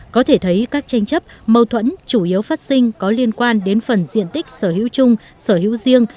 có thể thấy các tranh chấp mâu thuẫn chủ yếu phát sinh có liên quan đến phần diện tích sở hữu chung sở hữu riêng